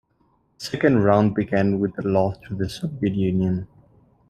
The second round began with a loss to the Soviet Union.